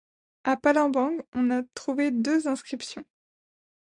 A Palembang, on a trouvé deux inscriptions.